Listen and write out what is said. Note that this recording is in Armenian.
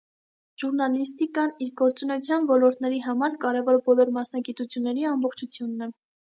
Ժուռնալիստիկան իր գործունեության ոլորտների համար կարևոր բոլոր մասնագիտությունների ամբողջությունն է։